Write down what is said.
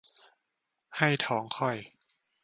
ให้ท้องค่อย